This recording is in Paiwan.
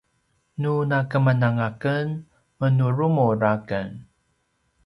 nu nakemananga aken menurumur aken